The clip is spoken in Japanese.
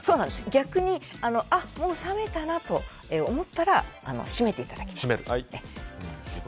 逆に、もう冷めたなと思ったら閉めていただいて。